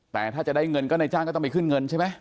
แต่ถ้าจะได้เงินก็ในจ้างก็ต้องไปขึ้นเงินใช่ไหม